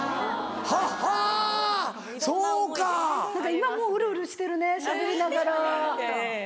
今もうるうるしてるねしゃべりながら。